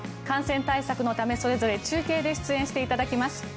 感染対策のためそれぞれ中継で出演していただきます。